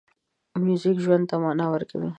موزیک ژوند ته مانا ورکوي.